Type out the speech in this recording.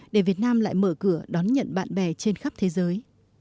để việt nam lại mở cửa đón nhận bạn bè trên khắp thế giới